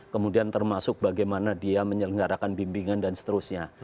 kemudian termasuk bagaimana dia menyelenggarakan bimbingan dan seterusnya